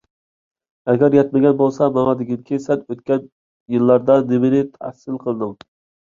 ئەگەر يەتمىگەن بولسا، ماڭا دېگىنكى سەن ئۆتكەن يىللاردا نېمىنى تەھسىل قىلدىڭ؟